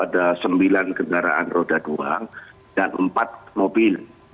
dan empat mobil